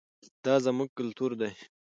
دا زموږ کلتور دی.